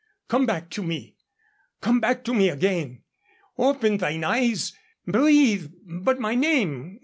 "Come back to me! Come back to me again! Open thine eyes! Breathe but my name!